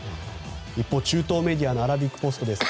一方、中東メディアのアラビックポストです。